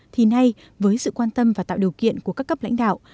thì nay với sự quan tâm và tạo điều kiện của các cấp lãnh đạo